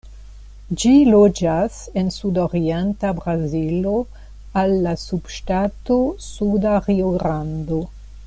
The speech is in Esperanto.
Ĝi loĝas en sudorienta Brazilo al la subŝtato Suda Rio-Grando.